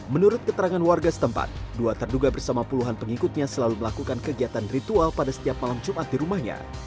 menurut keterangan warga setempat dua terduga bersama puluhan pengikutnya selalu melakukan kegiatan ritual pada setiap malam jumat di rumahnya